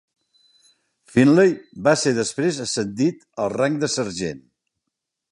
Finlay va ser després ascendit al rang de sergent.